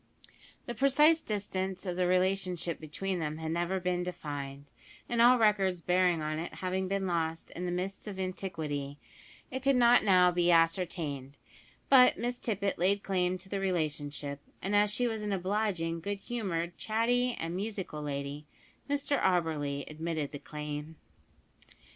The precise distance of the relationship between them had never been defined, and all records bearing on it having been lost in the mists of antiquity, it could not now be ascertained; but Miss Tippet laid claim to the relationship, and as she was an obliging, good humoured, chatty, and musical lady, Mr Auberly admitted the claim.